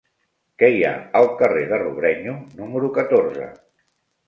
Què hi ha al carrer de Robrenyo número catorze?